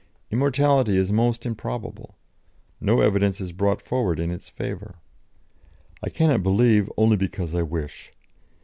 Immortality is most improbable; no evidence is brought forward in its favour. I cannot believe only because I wish."